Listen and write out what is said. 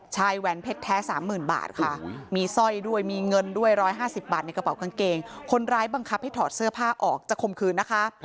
แหวนเพชรแท้๓๐๐๐บาทค่ะมีสร้อยด้วยมีเงินด้วย๑๕๐บาทในกระเป๋ากางเกงคนร้ายบังคับให้ถอดเสื้อผ้าออกจะคมคืนนะคะ